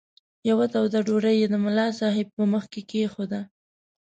یوه توده ډوډۍ یې د ملا صاحب په مخ کې کښېښوده.